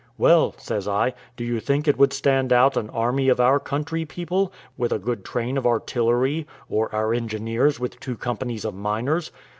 "Well," says I, "do you think it would stand out an army of our country people, with a good train of artillery; or our engineers, with two companies of miners?